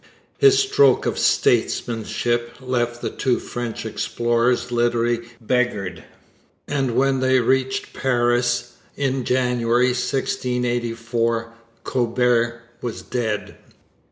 His stroke of statesmanship left the two French explorers literally beggared, and when they reached Paris in January 1684 Colbert was dead.